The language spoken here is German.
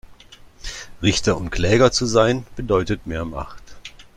Richter und Kläger zu sein, bedeutet mehr Macht.